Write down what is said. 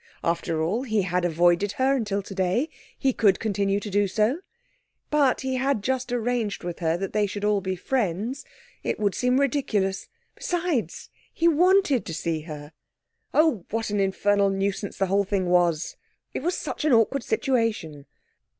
After all, he had avoided her until today. He could continue to do so. But he had just arranged with her that they should all be friends. It would seem ridiculous. Besides, he wanted to see her! Oh! what an infernal nuisance the whole thing was! It was such an awkward situation.